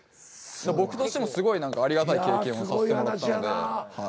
僕としてもすごいありがたい経験をさせてもらったんで。